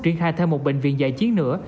truyền khai thêm một bệnh viện dạy chiến nữa